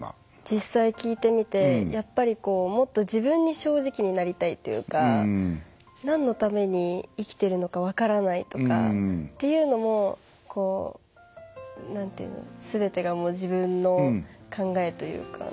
実際聞いてみてやっぱりもっと自分に正直になりたいっていうか何のために生きてるのか分からないとかっていうのも全てが自分の考えというか。